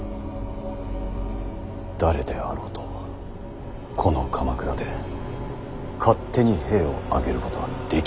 誰であろうとこの鎌倉で勝手に兵を挙げることはできませぬ。